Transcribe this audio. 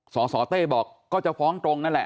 สสเต้บอกก็จะฟ้องตรงนั่นแหละ